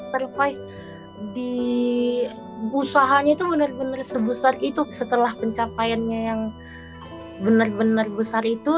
survive di usahanya itu benar benar sebesar itu setelah pencapaiannya yang benar benar besar itu